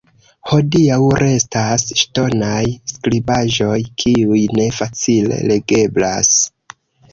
Hodiaŭ restas ŝtonaj skribaĵoj, kiuj ne facile legeblas.